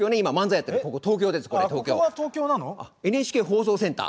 あっＮＨＫ放送センター？